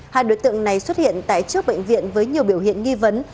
hai đối tượng này xuất hiện tại trước bệnh viện với nhiều biểu hiện nghi vấn